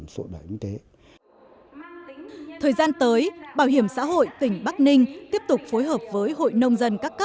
sinh sống tại quốc gia